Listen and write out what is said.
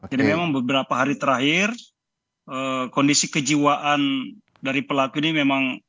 jadi memang beberapa hari terakhir kondisi kejiwaan dari pelaku ini memang ada perubahan